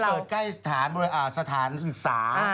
แล้วก็ผับที่เปิดใกล้สถานศึกษา